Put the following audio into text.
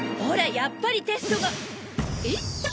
やっぱりテストが。えっ？